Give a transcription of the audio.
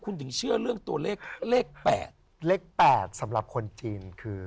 เล็ก๘สำหรับคนจีนคือ